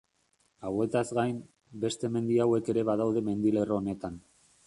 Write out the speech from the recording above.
Hauetaz gain, beste mendi hauek ere badaude mendilerro honetan.